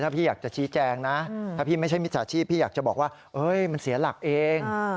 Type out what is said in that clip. ถ้าพี่อยากจะชี้แจงนะถ้าพี่ไม่ใช่มิจฉาชีพพี่อยากจะบอกว่ามันเสียหลักเอง